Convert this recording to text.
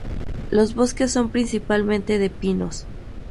Los bosques son principalmente de pinos.